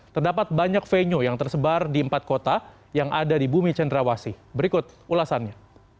terdapat banyak venue yang tersebar di empat kota yang ada di bumi cenderawasi berikut ulasannya